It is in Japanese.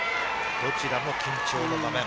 どちらも緊張の場面。